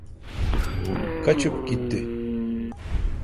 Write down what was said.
Kaçıp gitti.